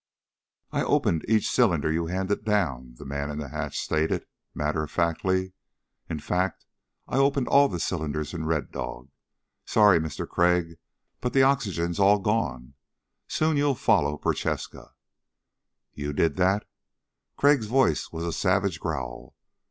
"I opened each cylinder you handed down," the man in the hatch stated matter of factly. "In fact, I opened all of the cylinders in Red Dog. Sorry, Mister Crag, but the oxygen's all gone. Soon you'll follow Prochaska." "You did that?" Crag's voice was a savage growl.